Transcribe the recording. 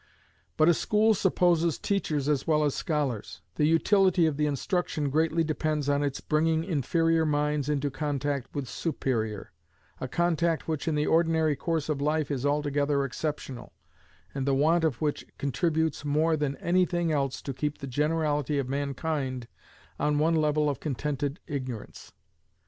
But a school supposes teachers as well as scholars: the utility of the instruction greatly depends on its bringing inferior minds into contact with superior, a contact which in the ordinary course of life is altogether exceptional, and the want of which contributes more than any thing else to keep the generality of mankind on one level of contented ignorance.